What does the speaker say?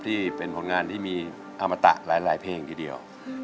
ที่เป็นผลงานที่มีอมตะหลายเพลงทีเดียว